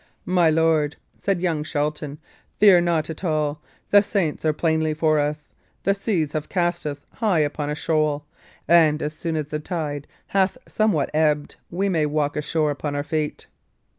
"My lord," said young Shelton, "fear not at all; the saints are plainly for us; the seas have cast us high upon a shoal, and as soon as the tide hath somewhat ebbed, we may walk ashore upon our feet."